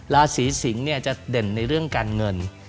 ราศีสิงศ์จะเด่นในเรื่องการเงิน